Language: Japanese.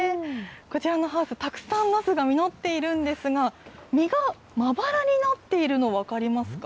こちらのハウス、たくさんなすが実っているんですが、実がまばらになっているの、分かりますか。